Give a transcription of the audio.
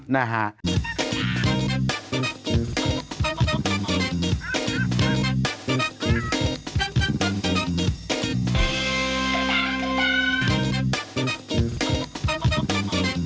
นะฮะ